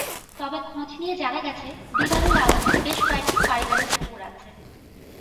তবে খোঁজ নিয়ে জানা গেছে, দিদারুল আলমের বেশ কয়েকটি পারিবারিক পুকুর আছে।